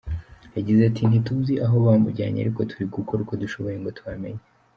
Yagize ati “ Ntituzi aho bamujyanye ariko turi gukora uko dushoboye ngo tuhamenye.